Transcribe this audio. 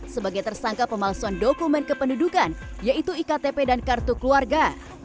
sebagai tersangka pemalsuan dokumen kependudukan yaitu iktp dan kartu keluarga